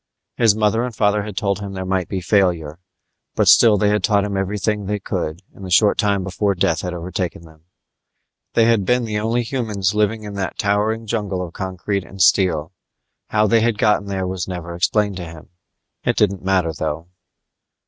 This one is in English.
His mother and father had told him there might be failure, but still they had taught him everything they could in the short time before death had overtaken them. They had been the only humans living in that towering jungle of concrete and steel. How they had gotten there was never explained to him. It didn't matter, though.